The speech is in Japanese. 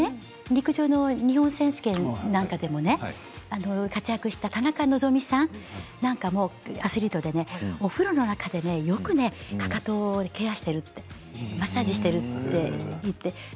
陸上の日本選手権なんかでもね活躍した田中希実さんなんかもアスリートでねお風呂の中で、よくかかとをケアしているマッサージしてるって言っていました。